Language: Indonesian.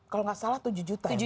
kalau tidak salah tujuh juta ya mbak